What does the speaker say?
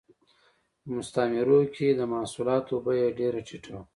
په مستعمرو کې د محصولاتو بیه ډېره ټیټه وه